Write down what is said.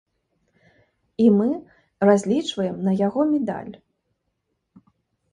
І мы разлічваем на яго медаль.